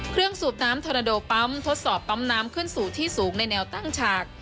สูบน้ำธอนาโดปั๊มทดสอบปั๊มน้ำขึ้นสู่ที่สูงในแนวตั้งฉาก